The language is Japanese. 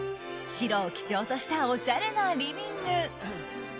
白を基調としたおしゃれなリビング。